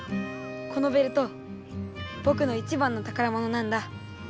このベルトぼくの一番のたからものなんだ。